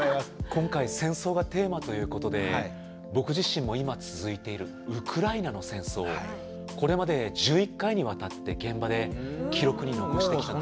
今回戦争がテーマということで僕自身も今続いているウクライナの戦争をこれまで１１回にわたって現場で記録に残してきたんです。